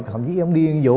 thậm chí ông đi vũ